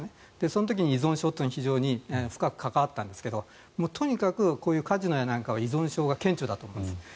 その時に依存症というのは非常に深く関わったんですがとにかくこういうカジノやなんかは依存症が顕著だと思います。